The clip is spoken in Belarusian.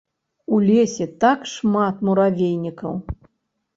У лесе так шмат муравейнікаў.